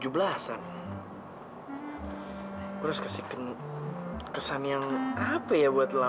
gua harus kasih kesan yang apa ya buat laura ya